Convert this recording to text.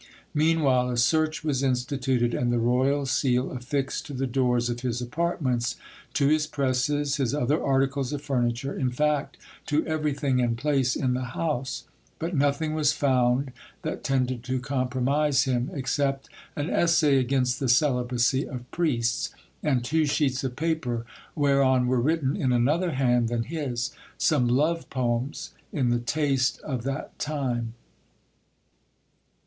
Meanwhile a search was instituted, and the royal seal affixed to the doors of his apartments, to his presses, his other articles of furniture in fact, to every thing and place in the house; but nothing was found that tended to compromise him, except an essay against the celibacy of priests, and two sheets of paper whereon were written in another hand than his, some love poems in the taste of that time.